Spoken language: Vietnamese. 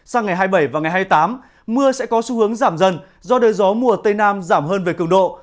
sang ngày hai mươi bảy và ngày hai mươi tám mưa sẽ có xu hướng giảm dần do đời gió mùa tây nam giảm hơn về cường độ